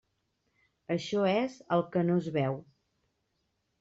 Això és el que no es veu.